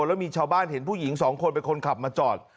แล้วมีชาวบ้านเห็นผู้หญิงสองคนเป็นคนขับมาจอด